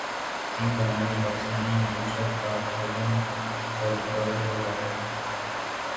تین دہائیوں میں پاکستانی معیشت کا حجم کھرب ڈالرہوجائےگا